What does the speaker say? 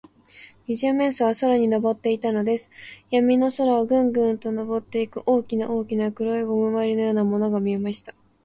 二十面相は空にのぼっていたのです。やみの空を、ぐんぐんとのぼっていく、大きな大きな黒いゴムまりのようなものが見えました。